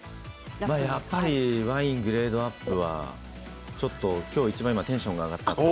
やっぱりワイングレードアップはちょっと、きょういちばんテンションが上がった。